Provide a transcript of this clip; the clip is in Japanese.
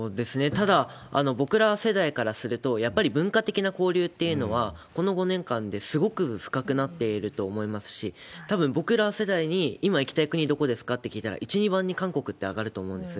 ただ、僕ら世代からすると、やっぱり文化的な交流っていうのは、この５年間ですごく深くなっていると思いますし、たぶん、僕ら世代に今行きたい国どこですか？って聞いたら、１、２番に韓国って上がると思うんです。